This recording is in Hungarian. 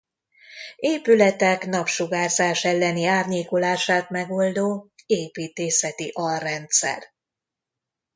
Épületek napsugárzás elleni árnyékolását megoldó építészeti alrendszer.